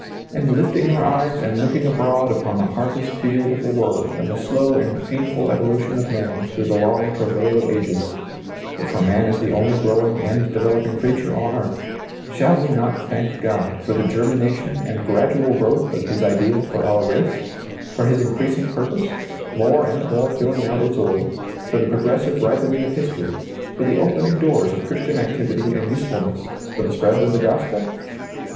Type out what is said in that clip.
And lifting our eyes and looking abroad upon the harvest field of the world and the slow and painful evolution of man through the long travail of ages, — for man is the only growing and developing creature on earth, — shall we not thank God for the germination and gradual growth of His idea for our race, for His increasing purpose, more and more filling out its orb, for the progressive ripening of history, for the opening doors of Christian activity and use fulness, for the spread of the gospel